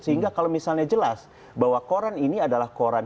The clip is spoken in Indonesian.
sehingga kalau misalnya jelas bahwa koran ini adalah koran kubu pak prabowo